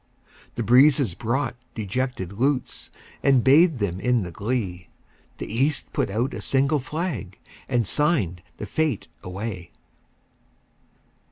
The breezes brought dejected lutes, And bathed them in the glee; The East put out a single flag, And signed the fete away.